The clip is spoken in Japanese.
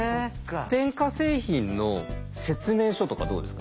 電化製品の説明書とかどうですか？